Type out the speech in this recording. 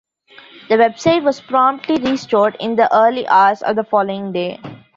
The website was promptly restored in the early hours of the following day.